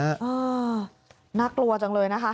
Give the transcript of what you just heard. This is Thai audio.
น่ากลัวจังเลยนะคะ